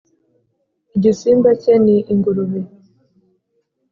igisimba cye ni ingurube